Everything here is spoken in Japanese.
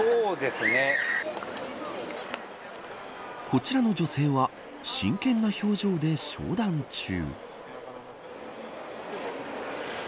こちらの女性は真剣な表情で商談中。